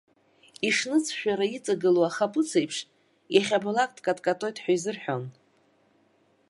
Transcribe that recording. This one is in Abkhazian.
Ишныҵшәара иҵагылоу ахаԥыц еиԥш иахьабалак дкаткатоит ҳәа изырҳәон.